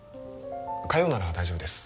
火曜なら大丈夫です